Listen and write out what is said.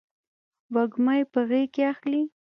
وږمه یې په غیږ کې اخلې